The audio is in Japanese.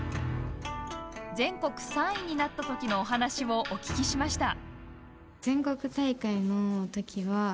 全国３位になった時のお話をお聞きしました。